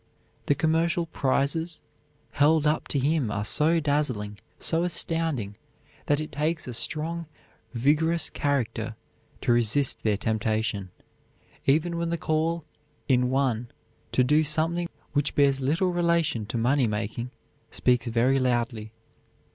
The commercial prizes held up to him are so dazzling, so astounding, that it takes a strong, vigorous character to resist their temptation, even when the call in one to do something which bears little relation to money making speaks very loudly.